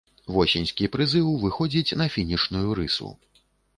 Восеньскі прызыў выходзіць на фінішную рысу.